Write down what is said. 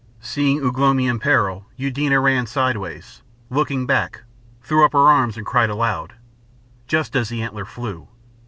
Seeing Ugh lomi in peril, Eudena ran sideways, looking back, threw up her arms and cried aloud, just as the antler flew.